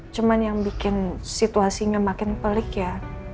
cuma yang bikin situasinya makin pelik ya